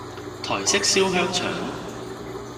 台式燒香腸